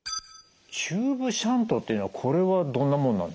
チューブシャントというのはこれはどんなものなんですか？